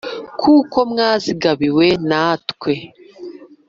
Kuko mwazigabiwe na twe!